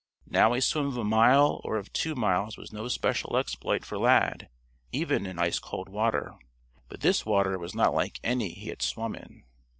Now a swim of a mile or of two miles was no special exploit for Lad even in ice cold water, but this water was not like any he had swum in.